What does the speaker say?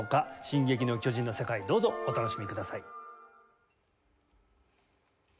『進撃の巨人』の世界どうぞお楽しみください。